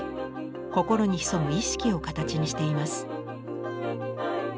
心に潜む意識を形にしています。